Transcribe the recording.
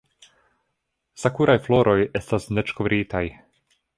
Sakuraj floroj estas neĝkovritaj!